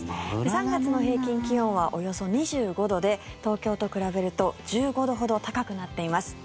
３月の平均気温はおよそ２５度で東京と比べると１５度ほど高くなっています。